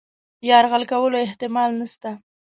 یرغل کولو احتمال نسته.